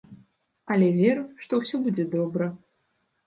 Але веру, што ўсё будзе добра.